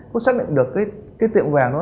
có xác định được cái tiệm vàng đó